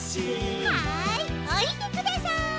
はいおりてください。